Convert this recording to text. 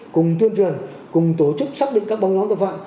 cùng tuyên truyền cùng tổ chức xác định các bóng đón tập vạn